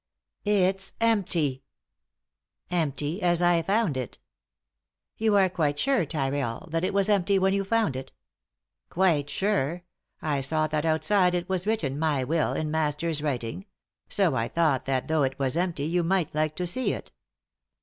"It's empty." " Empty ; as I found it" "You are quite sure, Tyrrell, that it was empty when you found it ?" "Quite sure. I saw that outside it was written ' My Will ' in master's writing ; so I thought that, though it was empty, you might like to see it."